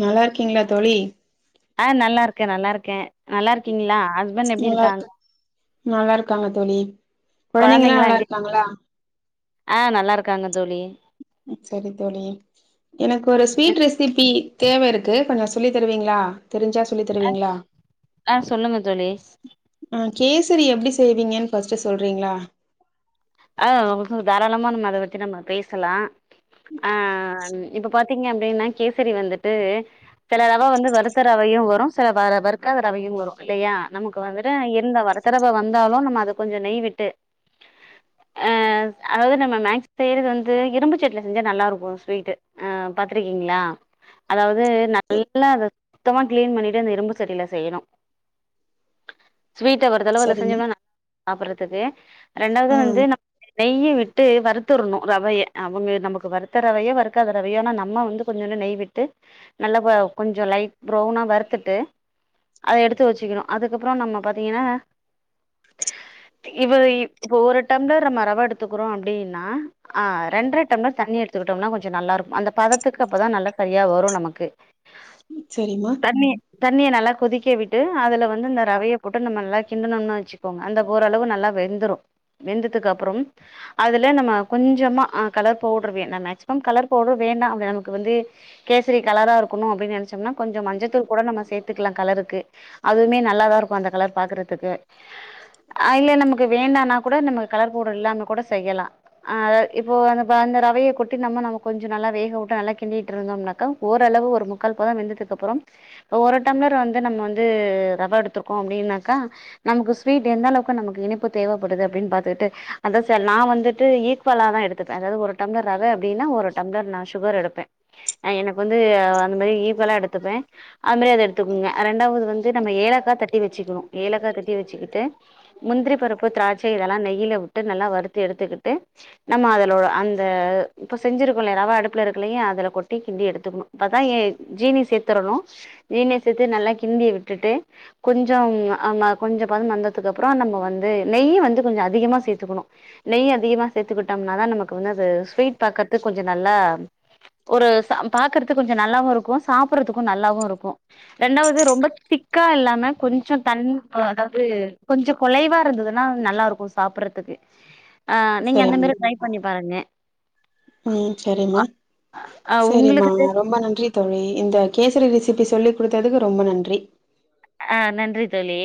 நல்லா இருக்கீங்ளா தோழி அ நல்லா இருக்கே நல்லா இருக்கே நல்லா இருக்கீங்களா ஹஸ் நல்லா இருக்க நல்லா இருக்காங்க தோழி கெழந்தைங்கள்ளா கொழந்தைங்கல்லா நல்லா எப்டி இருக்காங்களா ஆ நல்லா இருக்காங்க தோழி சரி தோழி எனக்கு ஒரு அ ஸ்வீட் ரெசிபி தேவ இருக்கு கொஞ்ச சொல்லி தருவீங்களா தெரிஞ்சா சொல் சொல்லி தருவீங்களா ஆ சொல்லுங்க தோழி ஆ கேசரி எப்டி செய்வீங்கன்னு ஃபஸ்ட் சொல்றீங்களா ஆ அவளுக்கு தாராளமா நம்ம அத பத்தி நம்ம பேசலா ஆ இப்ப பாத்தீங்க அப்டின்னா கேசரி வந்துட்டு செல ரவ வந்து வருத்த ரவையு வரு செல வ வருக்காத ரவையு வரு இல்லையா நமக்கு வந்துட்டு இந்த வரு த்த ரவ வந்தாலு நம்ம அத கொஞ்ச நெய்விட்டு அ அதாவது நம்ம மேக்ஸ் செய்யிறது வந்து இரும்பு சட்டில செஞ்சா நல்லா இருக்கு ஸ்வீட்டு ஆ பாத்திருக்கீங்களா அதாவது நல்லா அத சுத்தமா கிளீன் பண்ணிட்டு அந்த இரும்பு சட்டில செய்யணு ஸ்வீட்ட ஒரு தடவ அதுல சரிம்மா செஞ்சோம்னா [inaudible] சாப்புறதுக்கு ரெண்டாவது ஆ வந்து ந நெய்ய விட்டு வருத்துறனு ரவையை அவுங்க நமக்கு வருத்த ரவையோ வறுக்காத ரவையோ ஆனா நம்ம வந்து கொஞ்சோன்னு நெய்விட்டு நல்லா கொஞ்ச லைட் ப்ரவுனா வறுத்துட்டு அத எடுத்து வச்சுக்கினு அதுக்கப்புற நம்ம பாத்தீங்கன்னா இவ இப்ப ஒரு டைம்லர் நம்ம ரவ எடுத்துக்குறோ அப்டின்னா ஆ ரெண்ட்ர டம்ளர் தண்ணி எடுத்துக்கிட்டோம்னா கொஞ்ச நல்லாயிருக்கு அந்த பதத்துக்கு அப்போ தா நல்ல கழியா வரு நமக்கு செரிம்மா தண்ணிய தண்ணிய நல்லா கொதிக்க விட்டு அதில வந்து இந்த ரவைய போட்டு நம்ம நல்லா கிண்டுணம்னு வச்சு ங்க அந்த ஓரளவு நல்லா வெந்துரும் வெந்ததுக்கு அப்புறம் அதுல நம்ம கொஞ்சமா ஆ கலர் பவுடர் வேணு மேக்ஸிமம் கலர் பவுடர் வேண்டாம் அப்ப நமக்கு வந்து கேசரி கலரா இருக்கணும் அப்டின்னு நினைச்சோம்னா கொஞ்சம் மஞ்சத்தூள் கூட நம்ம சேத்துக்கலாம் கலருக்கு அதுவுமே நல்லாதா இருக்கும் அந்த கலர் பாக்குறதுக்கு ஆ இல்ல நமக்கு வேண்டானா கூட நமக்கு கலர் பவுடர் இல்லாம கூட செய்யலாம் ஆ இப்போ அந்த அந்த ரவைய கொட்டி நம்ம நம்ம கொஞ்சம் நல்லா வேக விட்டு நல்லா கிண்டிட்டு இருந்தோம்னாக்கா ஓரளவு ஒரு முக்கால் பதம் வெந்ததுக்கு அப்புறம் இப்போ ஒரு டம்ளர் வந்து நம்ம வந்து ரவ எடுத்தருக்கோ அப்டின்னாக்கா நமக்கு ஸ்வீட் எந்த அளவுக்கு நமக்கு இனிப்பு தேவப்படுது அப்டின்னு பாத்துட்டு அந்த நா வந்துட்டு ஈக்குவலா தா எடுத்துப்பே அதாவது ஒரு டம்ளர் ரவ அப்டின்னா ஒரு டம்ளர் நா சுகர் எடுப்பே எனக்கு வந்து அந்த மாதிரி ஈக்குவலா எடுத்துப்பே அது மாரி அத எடுத்துக்கோங்க ரெண்டாவது வந்து நம்ம ஏலக்கா தட்டி வச்சுக்கணும் ஏலக்கா தட்டி வச்சுக்கிட்டு முந்திரி பருப்பு திராட்சை இதெல்லா நெயிலா விட்டு நல்லா வறுத்து எடுத்துக்கிட்டு நம்ம அதலோ அந்த இப்ப செஞ்சிருக்கோல்லையா ராவ அடுப்புல இருக்குல்லையா அதுல கொட்டி கிண்டி எடுத்துக்கணும் அப்பதா ஏ ஜீனி சேத்துரணும் ஜீனி சேத்து நல்லா கிண்டி விட்டுட்டு கொஞ்சம் ஆமா கொஞ்சம் பதம் வந்ததுக்கு அப்பறோ நம்ம வந்து நெய்யும் வந்து கொஞ்சம் அதிகமா சேத் த்துக்கணும் நெய் அதிகமா சேத்துக்கிட்டோம்னா தா நமக்கு வந்து அது ஸ்வீட் பாக்கறது கொஞ்ச நல்லா ஒரு ச பாக்குறதுக்கு கொஞ்சம் நல்லாவும் இருக்கும் சாப்பறதுக்கும் நல்லாவும் இருக்கும் ரெண்டாவது ரொம்ப திக்கா இல்லாம கொஞ்சம் தன் அதாவது கொஞ்சம் குலைவா இருந்ததுன்னா நல்லா இருக்கும் சாப்படுறதுக்கு க்கு ஆ நீங்க அந்த சரிம்மா மாரி ட்ரை பண்ணி பாருங்க ம் செரிம்மா ஆ செரிம்மா உங்களுக்கு ரொம்ப நன்றி தோழி இந்த கேசரி ரெசிபி சொல்லி் குடுத்ததுக்கு ரொம்ப நன்றி ஆ நன்றி தோழி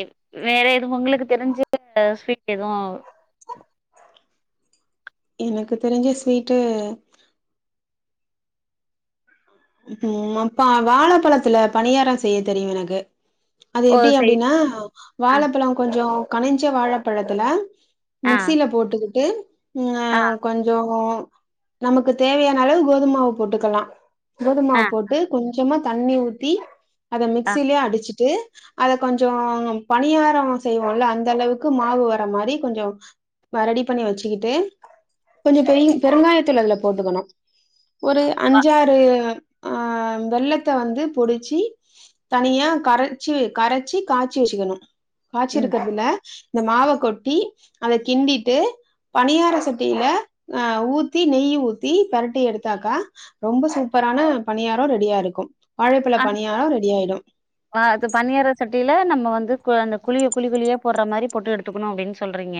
வேற எதுவும் உங்களுக்கு தெரிஞ்ச ஸ்வீட் எதுவும் எனக்கு தெரிஞ்ச ஸ்வீட்டு ம் அப்பா வாழைப்பழத்தில பணியாரம் செய்ய தெரியும் எனக்கு அது ஓ எப்டி செய் அப்டின்னா ஆ வாழப்பழம் கொஞ்சோ கனிஞ்ச வாழப்பழத்துல ஆ மிக்சியில போட்டுக்கிட்டு ம் ஆ கொஞ்சோ நமக்கு தேவையான அளவு கோதுமாவு போட்டுக்கலா ஆ கோதுமாவு போட்டு கொஞ்சமா தண்ணி ஊத்தி அத ஆ மிக்சியிலயே அடிச்சுட்டு அத கொஞ்சோ பணியாரம் செய்வோம்ல அந்த அளவுக்கு மாவு வர மாரி கொஞ்சம் ஆ ரெடி பண்ணி வச்சுக்கிட்டு கொஞ்சோ பெரு பெருங்காயத்தூள் அதுல போட்டுக்கணும் ஒரு வா அஞ்சாறு ஆ வெள்ளத்த வந்து பொடிச்சு தனியா கரைச்சி கரைச்சி காய்ச்சி வச்சுக்கணும் காய்ச்சி ம் இருக்கிறதுல இந்த மாவ கொட்டி அத கிண்டிட்டு பணியார சட்டியில ஆ ஊத்தி நெய் ஊத்தி பெரட்டி எடுத்தாக்கா ரொம்ப சூப் ப்பரான பணியாரம் ரெடியா இருக்கும் வாழப்பழ பணியாரம் ரெடி ஆயிடும் ஆ அது பனியார சட்டியில நம்ம வந்து அந்த குழிய குழி குழியா போடுற மாரி போட்டு எடுத்துக்கணு அப்டின்னு சொல்றீங்க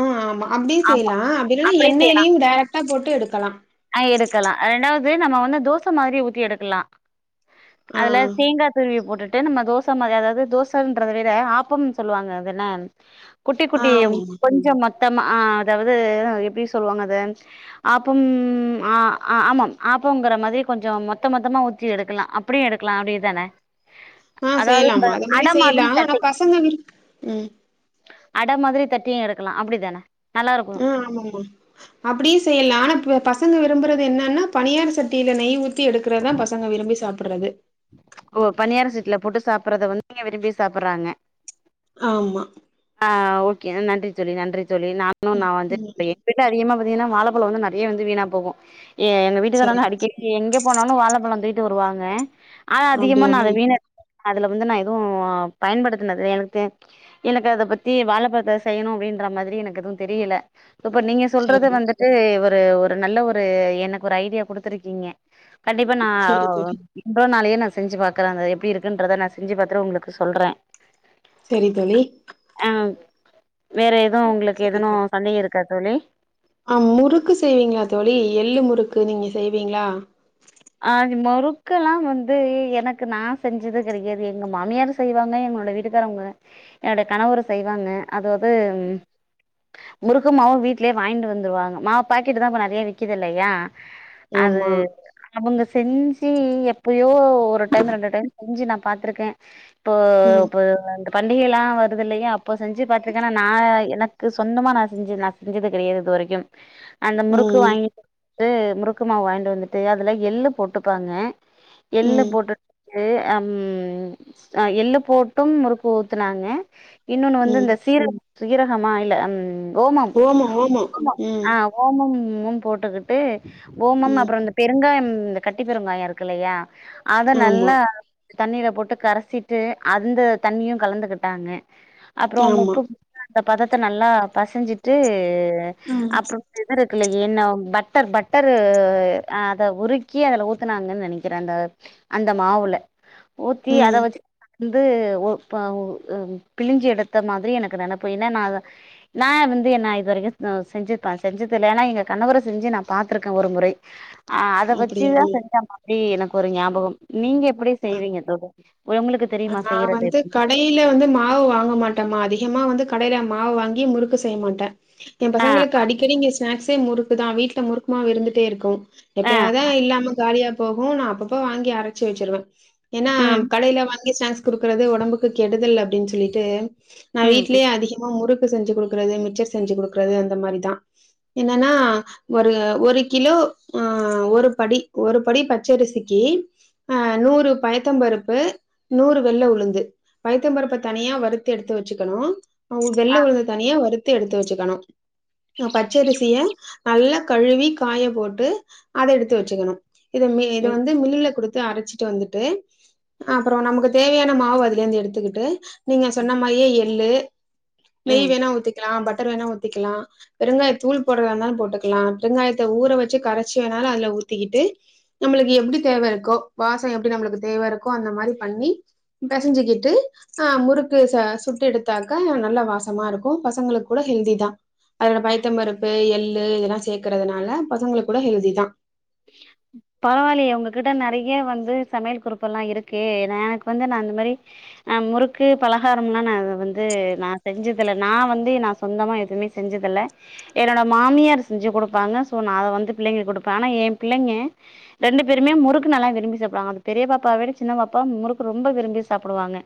ஆ ஆமா அப்டியும் ஆமா செய்யலா அப்டி இல்லனா அப்டியே செய்யலா எண்ணய்லயும் டேரெக்டா போட்டு எடுக்கலா ஆ எடுக்கலாம் ரெண்டாவது நம்ம வந்து தோச மாதிரி ஊத்தி எடுக்கலா ஆ அதுல தேங்கா துருவி போட்டுட்டு நம்ம தோச மாரி அதாது தோசைன்றத விட ஆப்பம்னு சொல்லு வாங்க அதான குட்டி ஆ குட்டி ஆமாமா கொஞ்சோ மொத்தமா ஆ அதாவது ஆ எப்டி சொல்லுவாங்க அது ஆப்பம் ஆ ஆமாம் ஆப்பங்கிற மாதிரி கொஞ்சோ மொத்த மொத்தமா ஊத்தி எடுக்கலா அப் பிடியே எடுக்கலா அப்டிதான ஆ அதாவது இந்த செய்யலாமா அது மாரி அட செய்யலா மாதிரி ஆனா தட்டி பசங்க விரும் ம் அட மாதிரி தட்டியு எடுக்கலா அப்டிதான நல்லா இருக்கு ஆ ஆமாமா அப்டியு செய்யலா ஆனா பசங்க விரும்புறது என்னன்னா பனியார சட்டியில நெய் ஊ த்தி எடுக்குறது தா பசங்க விரும்பி சாப்பிடுறது ஓ பனியார சட்டியில போட்டு சாப்படுறத வந்து பிள்ளைங்க விரும்பி சாப்பிடுறாங்க ஆமா ஆ ஓகே நன்றி தோழி நன்றி தோழி நானு நா ம் வந்துட்டு ம் இப்டிதா அதிகமா பாத்தீங்கன்னா வாழப்பழோ வந்து நறையா வந்து வீணா போகு ஏ எங்க சரி. வீட்டுகாரலா அடிக்கடி இது எங்க போனாலு வாழப்பழோ தூக்கிட்டு வருவாங்க அது அதிகமா நானு அப்டியாமா அத மீன் எ அதுல வந்து நா எதுவு பயன்படுத்தினது எனக்கு தெ எனக்கு அதப்பத்தி வாழப்பழத்த செய்யணு அப்டின்ற மாதிரி எனக்கு எதுவு தெரியல இப்ப நீங்க சொல்றது சரிம்மா. வந்து ட்டு ஒரு ஒரு நல்ல ஒரு எனக்கு ஒரு ஐடியா குடுத்துருக்கீங்க கண்டிப்பா நா சரி தோழி. இன்றோ நாளையே நா செஞ்சு பாக்குறே அது எப்டி இருக்குன்றத நா செஞ்சு பார்த்துடு உங்களுக்கு சொல்றே செரி தோழி ஆ வேற ஏதுவு உங்களுக்கு சரி எதுனு தோழி. சந்தேகம் இருக்கா தோழி ஆ முறுக்கு செய்வீங்களா தோழி எள்ளு முறுக்கு நீங்க செய்வீங்களா ஆ முறுக்க எல்லா வந்து எனக்கு நா செஞ்சது கெடையாது எங்க மாமியார் செய்வாங்க எங்களோட வீட்டுக்காரவங்க என்னுடைய கணவரும் செய்வாங்க அதாது முருக்குமாவு வீட்லேயே வாங்கிட்டு வந்துடுவாங்க மாவு பாக்கெட் தா இப்ப நறையா விக்குது இல்லையா அது ஆமா. அவுங்க செஞ்சு எப்பயோ ஒரு டைம் ரெண்டு டைம் செஞ்சு நா பாத்திருக்கே இப்போ ம். இப்ப பண்டிகைல்லா வருதுல்லலையா அப்போ செஞ்சு பாத்துருக்கேன்னா நா எனக்கு சொந்தமா நா செஞ்சது செஞ்சது கெடையாது இது வரைக்கு அந்த முறுக்கு ம். வாங்கிட்டுட்டு வந்து முறுக்கு மாவு வாங்கிட்டு வந்து ட்டு அதுல எள்ளு போட்டுகுறாங்க எள்ளு ம். போட்டுட் ம் எள்ளு போட்டு முறுக்கு ஊத்துனாங்க இன்னொன்னு வந்து ம். இந்த சீரகம் சீரகமா இல்ல ஓமம் ஓமம். ம். ஆ ஓமம்மு போட்டுக்கிட்டு ஓமம் ம். அப்புறோ இந்த பெருங்காயம் இந்த கட்டி பெருங்காயம் இருக்குல்லையா அத நல்லா ஆமா. தண்ணீல போட்டு கரைசிட்டு அந்த தண்ணியு கலந்துகிட்டாங்க அப்புறோ ஆமா. உப்பு அந்த பதத்தை நல்லா பசஞ்சிட்டு ம். அப்புறம் இது இருக்குல்ல ஈன்னவ் பட்டர் பட்டரு அ அத உறுக்கி அதுல ஊத்துனாங்கனு நெனைக்கிறே அந்த அந்த மாவுல ஊத்தி அத ம். வச்சு வந்து ஒருத்தங் பிழிஞ்சு எடுத்த மாதிரி எனக்கு நெனைப்பு ஏனா நா அத நா வந்து என்ன இது வரைக்கு ஆ செஞ்சிருப்பே செஞ்சது இல்ல ஏனா எங்க கணவரு செஞ்சு நா பாத்திருக்கே ஒரு முறை ஆ அத வச்சுதா அப்டியா? செஞ்சமா அப்டி எனக்கு ஒரு ஞாபகம் நீங்க எப்டி செய்வீங்க தோழர் உங்களுக்கு தெரியுமா செய்யறது எப்டி வெளியில வந்து மாவு வாங்க மாட்டம்மா அதிகமாக வந்து கடையில மாவு வாங்கி முறுக்கு செய்ய மாட்டே என் ஆ பசங்களுக்கு அடிக்கடி இங்க ஸ்நாக்ஸ்சே முறுக்கு தா வீட்டுல முறுக்கு மாவு இருந்துட்டே இருக்கு ஆ எப்யாவதா இல்லாம காலியா போகு நா அப்பப்ப வாங்கி அரைச்சு வச்சிருவே ஏன்னா ம் கடையில வாங்கி சினேக்ஸ் குடுக்குறது ஒடம்புக்கு கெடுதல் அப்டின்னு சொல்லிட்டு நா ம் ம் வீட்லயே அதிகமா முறுக்கு செஞ்சு குடுக்குறது மிச்சர் செஞ்சு குடுக்குறது அந்த மாரிதா என்னன்னா ஒரு ஒரு கிலோ அ ஒரு படி ஒரு படி பச்சரிசிக்கி அ நூறு பயத்த பருப்பு நூறு வெள்ள உளுந்து பயத்த பருப்ப தனியா வருத்து எடுத்து வச்சுக்கணு அ வெள்ள உழுந்த தனியா வருத் து எடுத்து வச்சுக்கணு பச்சரிசிய நல்லாக் கழுவி காயப் போட்டு அத எடுத்து வச்சுக்கணு இத இத ம் வந்து மில்லுல குடுத்து அரைச்சிட்டு வந்து ட்டு அப்றோ நமக்கு தேவையான மாவு அதிலயிருந்து எடுத்துக்கிட்டு நீங்க சொன்ன மாரியே எள்ளு நெய் ம் வேணா ஊத்திக்கலா பட்டர் வேணா ஊத்திக்கலா பெருங்காய தூள் போட்றதா இருந்தாலு போட்டுக்கலா பெருங்காயத்த ஊற வச்சு கரைச்சு வேணாலு அதுல ஊத்திக்கிட்டு நம்மளுக்கு எப்டி தேவ இருக்கோ வாசோ எப்டி நம்மளுக்கு தேவ இருக்கோ அந்த மாரி பண்ணி பெசஞ்சிகிட்டு ஆ முறுக்கு ச சுட்டு எடுத்தாக்கா நல்ல வாசமா இருக்கு பசங்களுக்கு கூட ஹெல்தி தா அதோட பைத்த பருப்பு எள்ளு இதெல்லா சேக்கறதுனால பசங்களு கூட ஹெல்திதா ம் பரவாயில்லையே உங்ககிட்ட நெறைய வந்து சமையல் குறிப்பு எல்லா இருக்கே எனக்கு வந்து நா அந்த மாரி ஆ முறுக்கு பலகார எல்லாம் வந்து நா செஞ்சதுல நா வந்து நா சொந்தமா எதுவுமே செஞ்சதுல்ல என்னோட மாமியார் செஞ்சு குடுப்பாங்க சோ நா அத வந்து பிள்ளைங்களுக்கு கொடுப்பே ஆனா எ பிள்ளைங்க ரெண்டு பேருமே முறுக்கு நல்லா விரும்பி சாப்பிடுவாங்க அந்த பெரிய பாப்பாவ விட சின்ன பாப்பா முருக்கு ரொம்ப விரும்பி சாப்பிடுவாங்க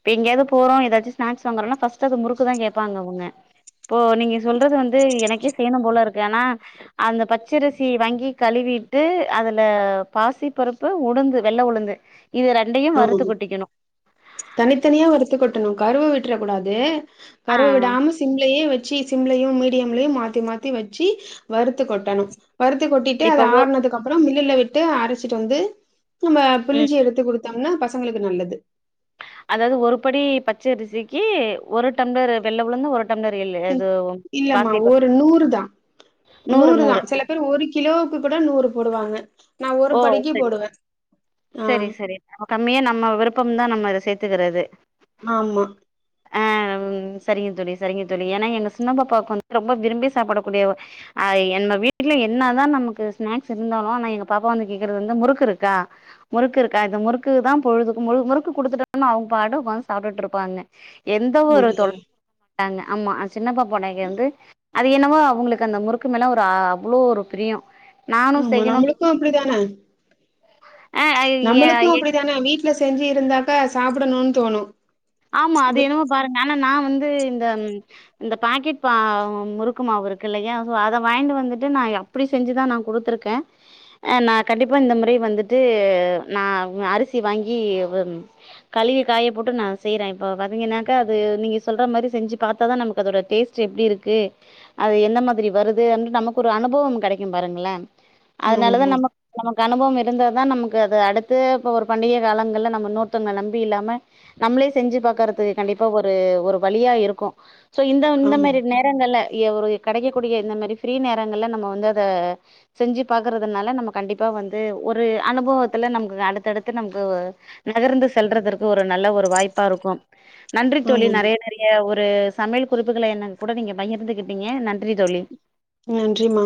இப்ப எங்கயாவது போறோ ஏதாச்ச ஸ்னாக்ஸ் வாங்கறோன்னா ஃபர்ஸ்ட் அது முறுக்குதா கேப்பாங்க அவங்க இப்போ நீங்க சொல்றது வந்து எனக்கே செய்யணு போல இருக்கு ஆனா அந்த பச்சரிசி வாங்கி கழுவி ட்டு அதுல பாசி பருப்பு உளுந்து வெள்ள உளுந்து இது ரெண்டையு ஆமா வறுத்து கொட்டிக்கணு தனித்தனியா வருத்து கொட்டனு கருவ விட்ற கூடாது ஆ கருவ விடாம சிம்லயே வச்சு சிம்லையு மீடியம்லயையு மாத்தி மாத்தி வச்சு வறுத்து கொட்டணு வறுத்து கொட்டிட்டு இப்ப அத ஒ ஆறுனதுக்கு அப்புற மில்லுல விட்டு அரைச்சிட்டு வந்து நம்ம ம் பிழிஞ்சி எடுத்து குடுத்தோம்னா பசங்களுக்கு நல்லது அதாவது ஒரு படி பச்ச அரிசிக்கு ஒரு டம்ளர் வெள்ள உளுந்து ஒரு டம்ளர் எள்ளு இது இல்லமா பாசிப்பருப்பு ஒரு நூறு தா நூறு தா‌ சில பேர் ஒரு கி கிலோவுக்கு கூட நூறு போடுவாங்க நா ஒரு ஓ படிக்கு சரி போடுவே ஆ சரி சரி நம கம்மியா நம்ம விருப்பம்தா நம்ம இத சேத்துக்கிறது ஆமா ஆ ம் சரிங்க தோழி சரிங்க தோழி ஏன்னா எங்க சின்ன பாாப்பாவுக்கு வந்து ரொம்ப விரும்பி சாப்பிடக்கூடிய அ நம்ம வீட்ல என்னதா நமக்கு ஸ்நாக்ஸ் இருந்தாலு ஆனா எங்க பாப்பா வந்து கேக்குறது வந்து முறுக்கு இருக்கா முறுக்கு இருக்கா அது முறுக்கு தா பொழுதுக்கு மு முறுக்கு குடுத்துட்டோம்னு அவங்க பாட்டு உக்காந்து சாப்பிட்டுட்டு இருப்பாங்க எந்த ஒரு அப்டியா தொலை மாட்டாங்க ஆமா சின்னபாப்பாடைய வந்து அது என்னவோ அவுங்களுக்கு அந்த முறுக்கு மேல ஒரு அவ்ளோ ஒரு பிரியோ நானு செய்யணு க்கும் அப்டித்தானே ஆ எ நம்மளுக்கம் அப்டித்தானே வீட் ட்ல செஞ்சு இருந்தாக்க சாப்புடணுனு தோணு ஆமா அது வி என்னமோ பாருங்க ஆனா நா வந்து இந்த இந்த பாக்கெட் பா முறுக்கு மாவு இருக்கில்லயா சோ அத வாய்ங்ட்டு வந்துட்டு நா அப்டி செஞ்சுதா நா குடுத்துருக்கே ஆ நா கண்டிப்பா இந்த முறை வந்துட்டு நா உ அரிசி வாங்கி கழுவி காய போட்டு நா செய்றே இப்ப பாத்தீங்கனாக்கா அது நீங்க சொல்ற மாரி செஞ்சு பாத்தாதா நமக்கு அதோட டேஸ்ட் எப்டி இருக்கு அது என்ன மாதிரி வருதுனுட்டு நமக்கு ஒரு அனுபவம் கெடைக்கும் பாருங்களே அதனாலதா ஆமாமா நம்ம நமக்கு அனுபவம் இருந்தா தா நமக்கு அது அடுத்து இப்ப ஒரு பண்டிகை காலங்கள்ல நம்ம இன்னோர்த்தங்ள நம்பி இல்லாம நம்மளே செஞ்சு பாக்கறது கண்டிப்பா ஒரு ஒரு வழியா இருக்கு சோ இந்த இந்த ஆமா மாரி நே ரங்கள்ல அ ஒரு கெடைக்கக்கூடிய இந்த மாரி ஃப்ரீ நேரங்கள்ல நம்ம வந்து அத செஞ்சு பாக்கறதுனால நம்ம கண்டிப்பா வந்து ஒரு அனுபவத்துல நமக்கு அடுத்தடுத்து நமக்கு நகர்ந்து செல்றதுற்கு ஒரு நல்ல ஒரு வாய்ப்பா இருக்கும் நன்றி தோழி ஆமாமா நெறைய நெறைய ஒரு சமையல் குறிப்புகள என்னன் கூட நீங்க பகிர்ந்துகிட்டீங்க நன்றி தோழி நன்றிமா